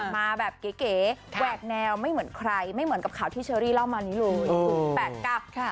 มาแบบเก๋แหวกแนวไม่เหมือนใครไม่เหมือนกับข่าวที่เชอรี่เล่ามานี้เลย